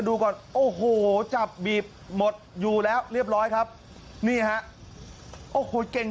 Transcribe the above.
ดูก่อนโอ้โหจับบีบหมดอยู่แล้วเรียบร้อยครับนี่ฮะโอ้โหเก่ง